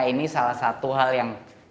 ini salah satu hal yang